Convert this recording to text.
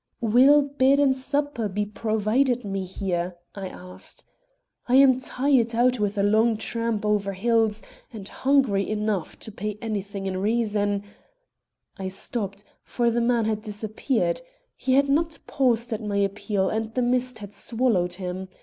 "Will bed and supper be provided me here?" I asked. "I am tired out with a long tramp over the hills, and hungry enough to pay anything in reason " I stopped, for the man had disappeared. He had not paused at my appeal and the mist had swallowed him.